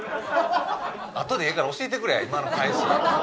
あとでええから教えてくれ今の返し。